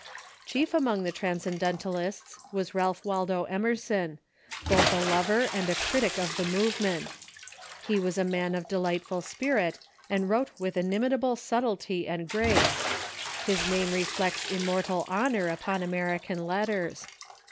Chief among the Transcendentalists was Ralph AValdo Em erson, both a lover and a critic of the movement. He was a man of delightful spirit, and wrote with inimitable subtletv Emerson , tt n • i i and grace. His name reflects immortal honor upon American letters.